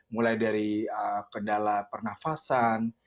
mulai dari pedala pernafasan